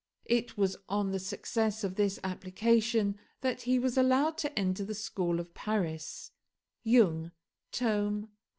It was on the success of this application that he was allowed to enter the school of Paris (Jung, tome i.